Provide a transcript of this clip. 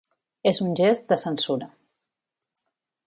És un gest de censura.